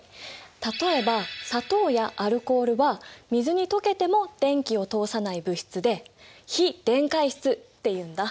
例えば砂糖やアルコールは水に溶けても電気を通さない物質で非電解質っていうんだ。